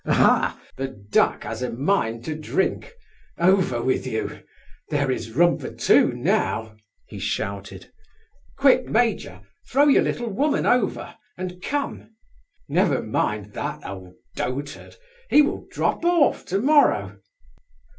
"Aha! The duck has a mind to drink. ... Over with you! There is room for two now!" he shouted. "Quick, major! throw your little woman over, and come! Never mind that old dotard! he will drop off to morrow!"